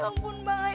ya ampun balik